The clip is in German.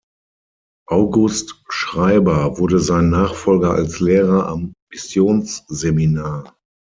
August Schreiber wurde sein Nachfolger als Lehrer am Missionsseminar.